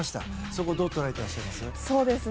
そこをどう捉えていらっしゃいます？